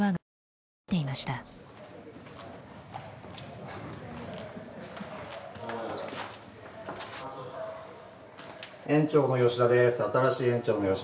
新しい園長の吉田です。